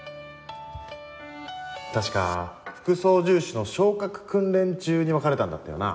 確か副操縦士の昇格訓練中に別れたんだったよな。